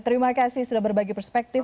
terima kasih sudah berbagi perspektif